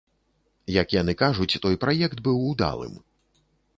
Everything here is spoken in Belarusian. Як яны кажуць, той праект быў удалым.